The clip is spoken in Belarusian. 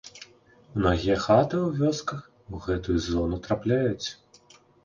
Многія хаты ў вёсках у гэтую зону трапляюць.